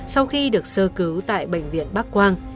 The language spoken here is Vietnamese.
sau khi được sơ cứu tại bệnh viện bắc quang